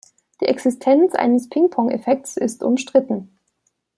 Die Existenz eines Ping-Pong-Effekts ist umstritten.